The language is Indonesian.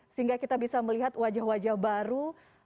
sehingga kita bisa melihat wajah wajah baru